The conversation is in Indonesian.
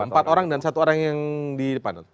empat orang dan satu orang yang di depan